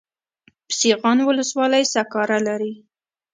سیغان ولسوالۍ سکاره لري؟